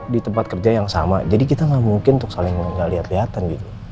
di tempat kerja yang sama jadi kita gak mungkin untuk saling gak liat liatan gitu